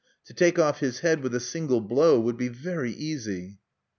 To take off his head with a single blow would be very easy."